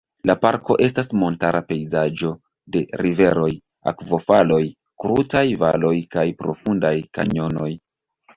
La parko estas montara pejzaĝo de riveroj, akvofaloj, krutaj valoj kaj profundaj kanjonoj.